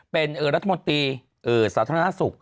เป็นรัฐมนตรีสาธารณสุข